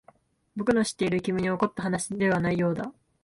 僕の知っている君に起こった話ではないようだった。